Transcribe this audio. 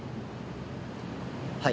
はい。